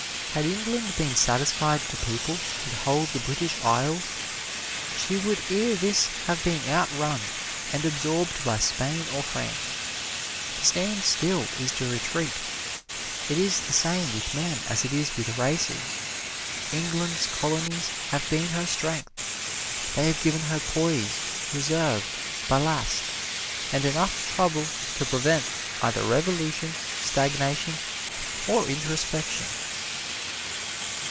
Had England been satisfied to people and hold the British Isles, she would ere this have been outrun and absorbed by Spain or France. To stand still is to retreat. It is the same with men as it is with races. England's Colonies have been her strength. They have given her poise, reserve, ballast and enough trouble to prevent either revolution, stagnation or introspection.